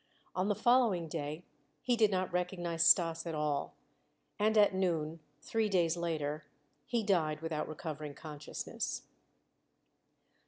On the following day he did not recognize Stas at all, and at noon, three days later, he died without recovering consciousness.